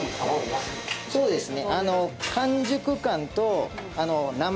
そうですね。